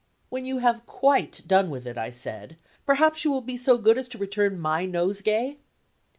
"When you have quite done with it," I said, "perhaps you will be so good as to return my nosegay?"